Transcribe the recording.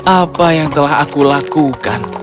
apa yang telah aku lakukan